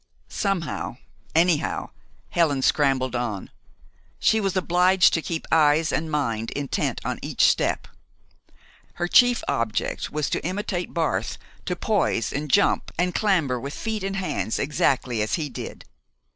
Somehow anyhow Helen scrambled on. She was obliged to keep eyes and mind intent on each step. Her chief object was to imitate Barth, to poise, and jump, and clamber with feet and hands exactly as he did.